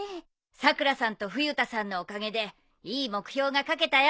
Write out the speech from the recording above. さくらさんと冬田さんのおかげでいい目標が書けたよ。